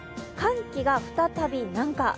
寒気が再び南下。